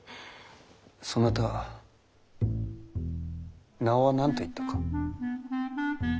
そなた名は何と言ったか。